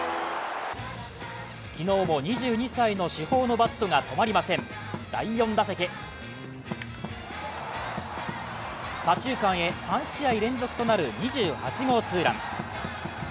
昨日も２２歳の主砲のバットが止まりません、第４打席、左中間へ３試合連続となる２８号ツーラン。